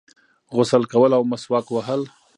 غسل کول او مسواک وهل